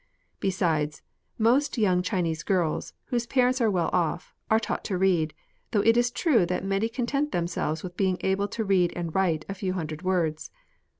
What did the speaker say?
Besides, most young Chinese girls, whose parents are well off, are taught to read, though it is true that many content themselves with beiug able to read and write a few hundred words.